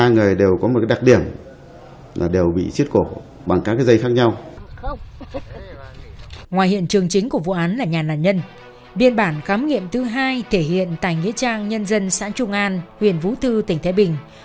ngoài hiện trường chính của vụ án là nhà nạn nhân biên bản khám nghiệm thứ hai thể hiện tại nghĩa trang nhân dân xã trung an huyện vũ thư tỉnh thái bình